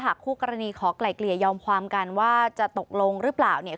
คู่กรณีขอไกล่เกลี่ยยอมความกันว่าจะตกลงหรือเปล่าเนี่ย